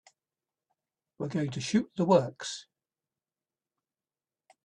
We're going to shoot the works.